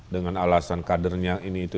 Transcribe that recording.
dengan alasan kadernya ini itu